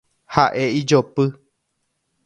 Ha’e ijopy.